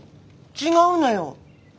違うのよ。